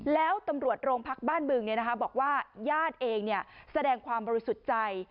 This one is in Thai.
แล้วตำรวจโรงพักบ้านบึงบอกว่าญาติเองแสดงความบริสุทธิ์ใจ